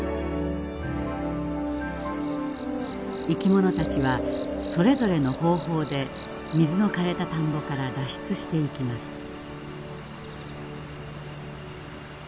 生き物たちはそれぞれの方法で水のかれた田んぼから脱出していきます。